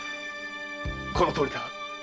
このとおりだ。